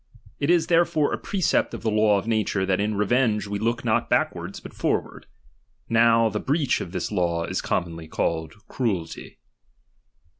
It is therefore a precept of the law of nature, that in revenge we look not backwards, but forward. Now the breach of this law is com monly called cruelty.